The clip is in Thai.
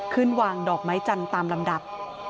วางดอกไม้จันทร์ตามลำดับ